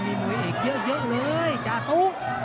มีเอกยี่ละเยอะชาตุ